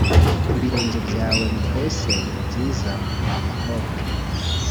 ibirenge byawe bikwese ni byiza wa mukobwa